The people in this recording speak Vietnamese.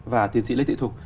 và tiến sĩ lê tị thục